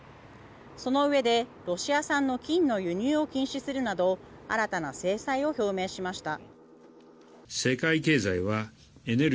そのうえで、ロシア産の金の輸入を禁止するなど新たな制裁を表明しました。